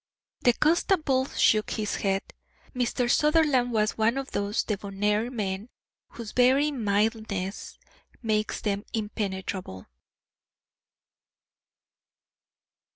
The constable shook his head. Mr. Sutherland was one of those debonair men, whose very mildness makes them impenetrable.